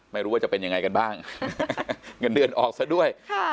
ไม่รู้ว่าจะเป็นยังไงกันบ้างเงินเดือนออกซะด้วยค่ะ